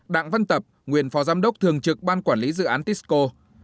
đặng văn tập nguyên phó giám đốc thường trực ban quản lý dự án tisco